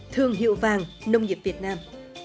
thương hiệu vàng nông nghiệp việt nam